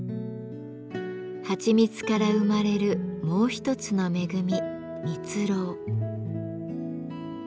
はちみつから生まれるもう一つの恵み「蜜ろう」。